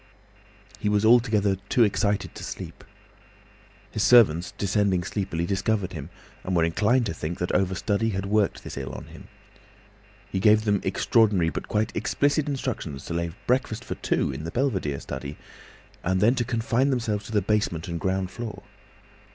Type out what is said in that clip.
He was altogether too excited to sleep. His servants, descending sleepily, discovered him, and were inclined to think that over study had worked this ill on him. He gave them extraordinary but quite explicit instructions to lay breakfast for two in the belvedere study—and then to confine themselves to the basement and ground floor.